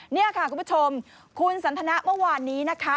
นี่ค่ะคุณผู้ชมคุณสันทนะเมื่อวานนี้นะคะ